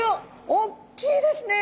おっきいですね！